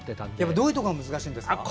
どういうところが難しいんですか？